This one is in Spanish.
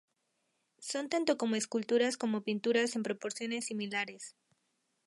Son tanto esculturas como pinturas en proporciones similares.